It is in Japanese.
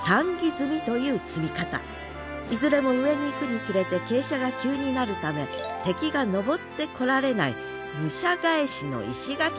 いずれも上に行くにつれて傾斜が急になるため敵が登ってこられない武者返しの石垣です